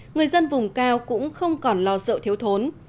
người dân vùng cao cũng không còn lo sợ thiếu thốn